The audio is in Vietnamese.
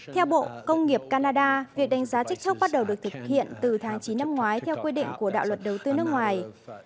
theo bộ công nghiệp canada việc đánh giá tiktok bắt đầu được thực hiện từ tháng chín năm ngoái theo quy định của đạo luật đầu tư nước ngoài